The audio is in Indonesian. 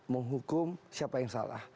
menghukum siapa yang salah